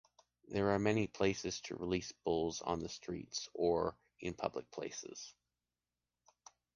There are many ways to release bulls on the streets or in public places.